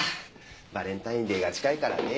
バレンタインデーが近いからね。